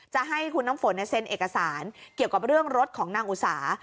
จะให้คุณน้ำฝนเซ็นเอกสารเกี่ยวกับเรื่องรถของนางอุสา